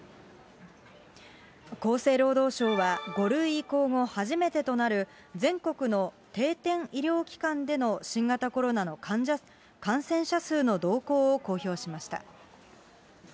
厚生労働省は、５類移行後初めてとなる全国の定点医療機関での新型コロナの感染者数の動向を公表しました。